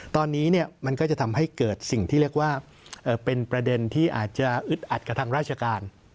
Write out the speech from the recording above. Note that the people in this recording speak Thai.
ตอนนี้มันก็จะทำให้เกิดสิ่งที่เรียกว่าเป็นประเด็นที่อาจจะอึดอัดกับทางราชการ